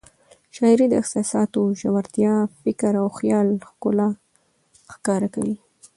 شاعري د احساساتو ژورتیا، فکر او خیال ښکلا ښکاره کوي.